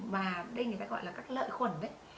và đây người ta gọi là các lợi khuẩn đấy